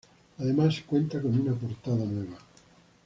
Además cuenta con una portada nueva.